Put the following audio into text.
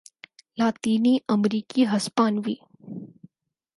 لاطینی امریکی ہسپانوی